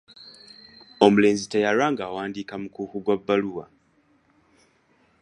Omulenzi teyalwa ng’awandiika mukuuku gwa bbaluwa.